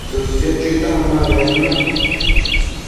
tsësio chuitan ma bednu